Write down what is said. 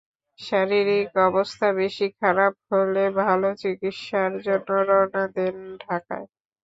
শারীরিক অবস্থা বেশি খারাপ হলে ভালো চিকিৎসার জন্য রওনা দেন ঢাকায়।